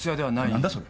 何だそれ？